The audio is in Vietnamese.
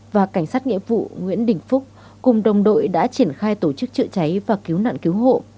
và cảnh sát nghĩa vụ nguyễn đình phúc cùng đồng đội đã triển khai tổ chức chữa cháy và cứu nạn cứu hộ